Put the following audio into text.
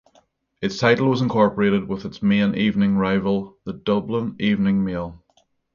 Its title was incorporated with its main evening rival, the "Dublin Evening Mail".